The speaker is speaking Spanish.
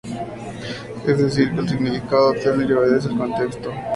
Es decir, que el significado de teleri obedece al contexto.